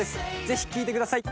ぜひ聴いてください。